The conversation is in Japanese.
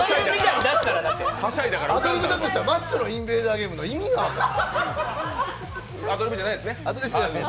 アドリブだとしたらマッチョのインベーダーゲームの意味が分からない。